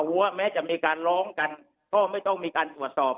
ว่าแม้จะมีการร้องกันก็ไม่ต้องมีการตรวจสอบ